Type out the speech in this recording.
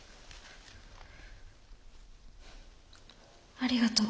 ありがとう。